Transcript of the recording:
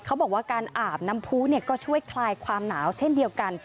เขาบอกว่าการอาบน้ำพูก็ช่วยคลายความหนาวเช่นเดียวกัน